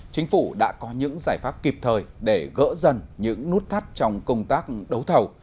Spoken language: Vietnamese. chính phủ đã có những giải pháp kịp thời để gỡ dần những nút thắt trong công tác đấu thầu